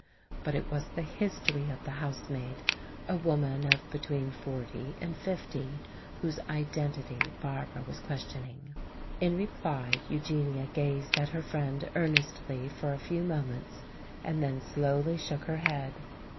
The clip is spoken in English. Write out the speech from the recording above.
But it was the history of the housemaid, a woman of between forty and fifty, whose identity Barbara was questioning. In reply Eugenia gazed at her friend earnestly for a few moments and then slowly shook her head.